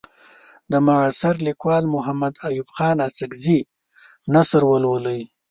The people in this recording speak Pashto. د معاصر لیکوال محمد ایوب خان اڅکزي نثر ولولئ.